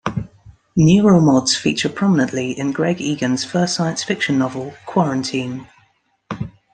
Neural mods feature prominently in Greg Egan's first science fiction novel, "Quarantine".